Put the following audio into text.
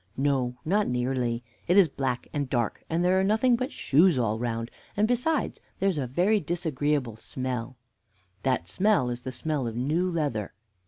"No, not nearly; it is black and dark, and there are nothing but shoes all round; and, besides, there's a very disagreeable smell." "That smell is the smell of new leather."